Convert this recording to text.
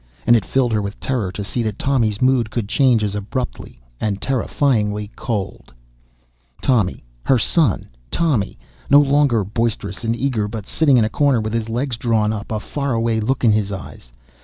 And it filled her with terror to see that Tommy's mood could change as abruptly and terrifyingly cold ... Tommy, her son. Tommy, no longer boisterous and eager, but sitting in a corner with his legs drawn up, a faraway look in his eyes.